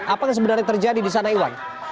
apa yang sebenarnya terjadi disana iwan